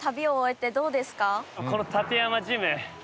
この館山ジム